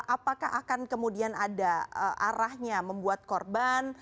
apakah akan kemudian ada arahnya membuat korban